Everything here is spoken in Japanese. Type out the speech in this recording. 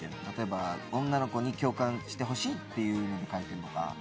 例えば女の子に共感してほしいっていうので書いてんのか。